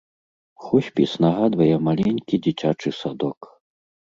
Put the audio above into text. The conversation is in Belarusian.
Хоспіс нагадвае маленькі дзіцячы садок.